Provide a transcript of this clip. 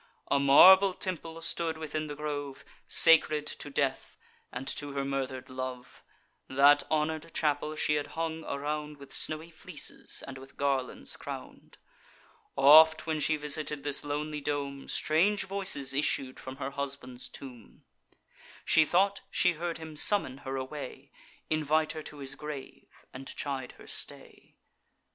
A marble temple stood within the grove, Sacred to death, and to her murder'd love; That honour'd chapel she had hung around With snowy fleeces, and with garlands crown'd: Oft, when she visited this lonely dome, Strange voices issued from her husband's tomb; She thought she heard him summon her away, Invite her to his grave, and chide her stay.